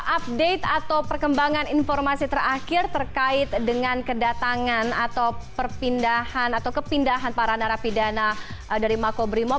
update atau perkembangan informasi terakhir terkait dengan kedatangan atau kepindahan para narapidana dari makobrimo